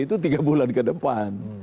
itu tiga bulan ke depan